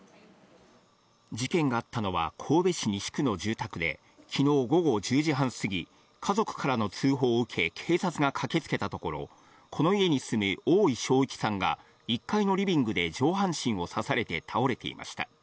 事件があったのは神戸市西区の住宅で、きのう午後１０時半過ぎ、家族からの通報を受け、警察が駆けつけたところ、この家に住み、大井松一さんが１階のリビングで上半身を刺されて倒れていました。